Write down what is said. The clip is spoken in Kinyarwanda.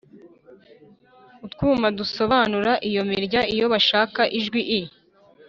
utwuma dusobanura iyo mirya iyo bashaka ijwi i